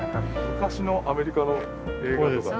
昔のアメリカの映画とか。